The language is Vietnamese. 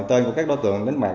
tên của các đối tượng đánh bạc